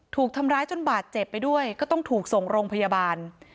ถูกทำร้ายจนบาดเจ็บไปด้วยก็ต้องถูกส่งโรงพยาบาล